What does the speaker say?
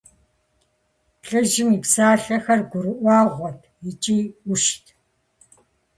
ЛӀыжьым и псалъэхэр гурыӀуэгъуэт икӀи Ӏущт.